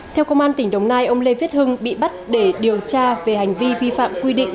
theo công an tỉnh đồng nai ông lê viết hưng bị bắt để điều tra về hành vi vi phạm quy định